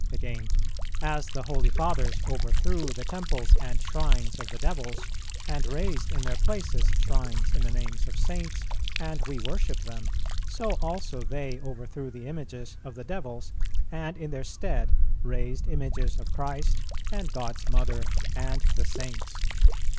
"[376:1] Again, "As the holy Fathers overthrew the temples and shrines of the devils, and raised in their places shrines in the names of Saints and we worship them, so also they overthrew the images of the devils, and in their stead raised images of Christ, and God's Mother, and the Saints.